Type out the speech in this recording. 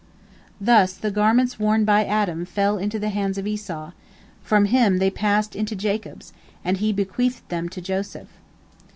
Thus the garments worn by Adam fell into the hands of Esau, from him they passed into Jacob's, and he bequeathed them to Joseph.